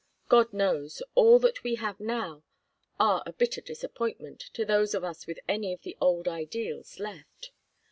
God knows, all that we have now are a bitter disappointment to those of us with any of the old ideals left.